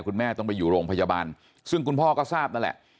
คุณแม่ต้องไปอยู่โรงพยาบาลซึ่งคุณพ่อก็ทราบนั่นแหละ